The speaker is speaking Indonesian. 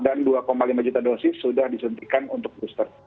dan dua lima juta dosis sudah disuntikan untuk booster